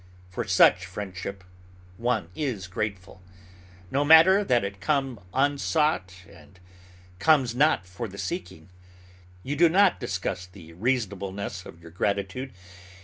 For such friendship one is grateful. No matter that it comes unsought, and comes not for the seeking. You do not discuss the reasonableness of your gratitude.